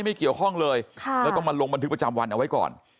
ไม่เกี่ยวข้องเลยแล้วต้องมาลงบันทึกประจำวันเอาไว้ก่อน